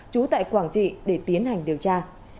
chú tại quảng trị để tiến hành điều tra